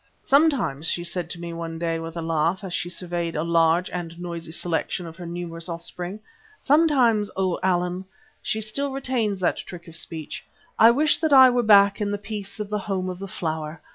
"Sometimes," she said to me one day with a laugh, as she surveyed a large (and noisy) selection of her numerous offspring, "sometimes, O Allan" she still retains that trick of speech "I wish that I were back in the peace of the Home of the Flower.